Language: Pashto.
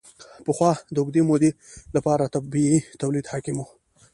پخوا د اوږدې مودې لپاره طبیعي تولید حاکم و.